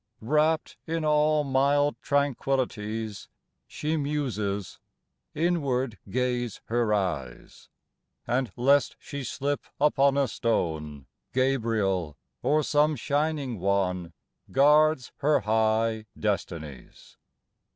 Wrapped in all mild tranquillities She muses : inward gaze her eyes ; And lest she slip upon a stone Gabriel or some shining one Guards her high destinies.